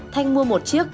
thanh mua một chiếc